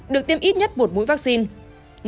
được tiêm ít nhất một mũi vaccine